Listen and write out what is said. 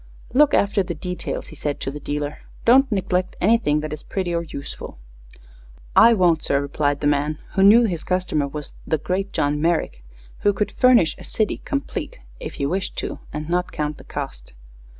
"Look after the details," he said to the dealer. "Don't neglect anything that is pretty or useful." "I won't, sir," replied the man, who knew his customer was "the great John Merrick," who could furnish a city "complete," if he wished to, and not count the cost.